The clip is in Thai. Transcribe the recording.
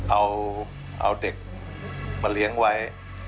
เอาเด็กมาเลี้ยงไว้